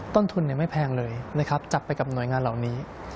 ต้นทุนไม่แพงเลยนะครับจับไปกับหน่วยงานเหล่านี้